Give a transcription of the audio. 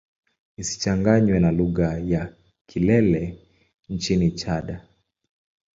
Isichanganywe na lugha ya Kilele nchini Chad.